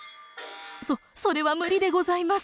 「そそれは無理でございます。